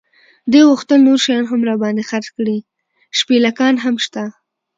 دې غوښتل نور شیان هم را باندې خرڅ کړي، شپلېکان هم شته.